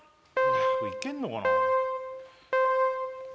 これいけんのかな？